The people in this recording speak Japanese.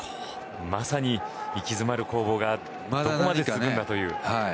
まさに息詰まる攻防がどこまで続くのかという。